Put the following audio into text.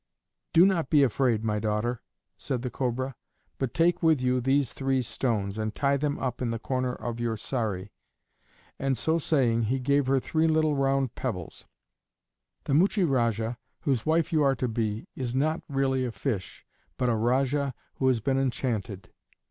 "Do not be afraid, my daughter," said the Cobra; "but take with you these three stones and tie them up in the corner of your saree;" and so saying, he gave her three little round pebbles. "The Muchie Rajah, whose wife you are to be, is not really a fish, but a Rajah who has been enchanted.